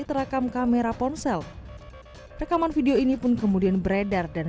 terekam kamera ponsel rekaman video ini pun kemudian beredar dan